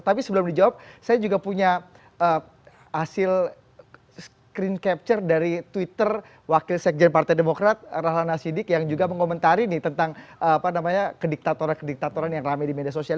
tapi sebelum dijawab saya juga punya hasil screen capture dari twitter wakil sekjen partai demokrat rahlana sidik yang juga mengomentari nih tentang kediktatoran kediktatoran yang rame di media sosial